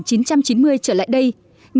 nhưng không chỉ là cơn bão còn là cơn bão nặng